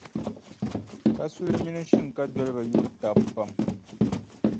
Kasuli mini Shinkadoliba yuri taba pam.